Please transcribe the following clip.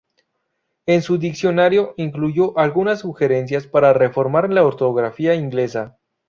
En su diccionario incluyó algunas sugerencias para reformar la ortografía inglesa.